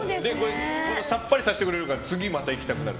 さっぱりさせてくれるから次、またいきたくなる。